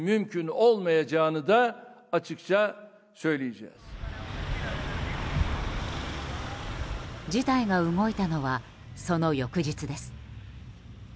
事態が動いたのはその翌日です。